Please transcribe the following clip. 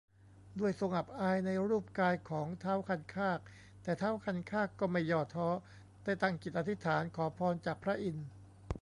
ด้วยทรงอับอายในรูปกายของท้าวคันคาก แต่ท้าวคันคากก็ไม่ย่อท้อ ได้ตั้งจิตอธิษฐานขอพรจากพระอินทร์